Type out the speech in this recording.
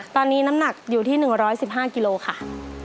ตอนนี้น้ำหนักอยู่ที่๑๑๕กิโลค่ะ